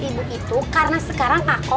ibu itu karena sekarang aku